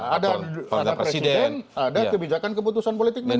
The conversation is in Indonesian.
ada presiden ada kebijakan keputusan politik nanti